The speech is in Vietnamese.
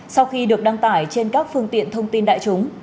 sau khi được đăng tải trên các phương tiện thông tin đại chúng